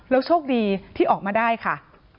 โชคดีที่ออกมาได้ค่ะ